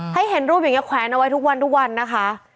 ให้เห็นรูปอย่างนี้แขวนไว้ทุกวันนะคะ